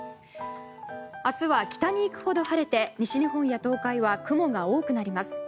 明日は北に行くほど晴れて西日本や東海は雲が多くなります。